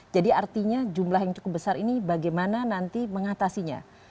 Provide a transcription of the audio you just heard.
jadi artinya jumlah yang cukup besar ini bagaimana nanti mengatasinya